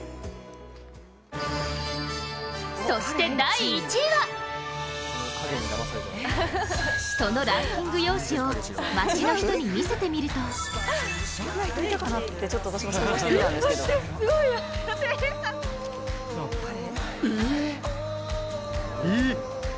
そして第１位はそのランキング用紙を街の人に見せてみるとえ！